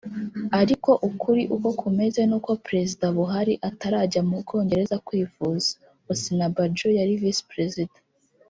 Ariko ukuri uko kumeze n’uko Perezida Buhari atarajya mu Bwongereza kwivuza Osinibajo yari Visi Perezida